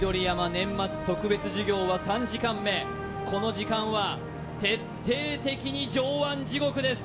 年末特別授業は３時間目この時間は徹底的に上腕地獄です